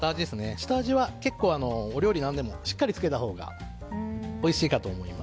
下味は結構、お料理は何でもしっかりつけたほうがおいしいかと思います。